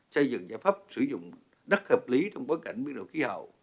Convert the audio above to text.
xây dựng giải pháp sử dụng đất hợp lý trong bối cảnh biến đổi khí hậu